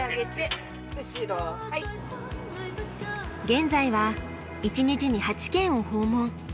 現在は一日に８軒を訪問。